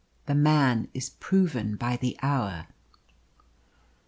The man is proven by the hour.